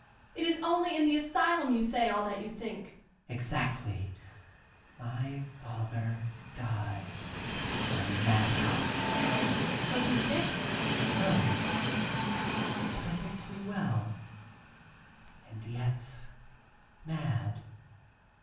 It is only in the asylum you say all that you think. ... Student. Exactly ! My father died in a madhouse Young Lady. Was he sick ? Student. No, perfectly well, and yet mad.